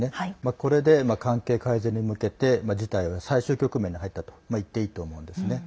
これで、関係改善に向けて事態は最終局面に入ったと言っていいと思うんですね。